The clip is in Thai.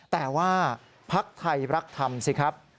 แต่ว่าภักดิ์ไทยรักธรรมสิครับ